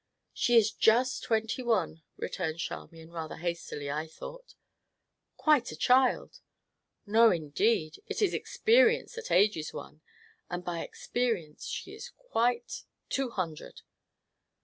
"She is just twenty one!" returned Charmian, rather hastily, I thought. "Quite a child!" "No, indeed it is experience that ages one and by experience she is quite two hundred!"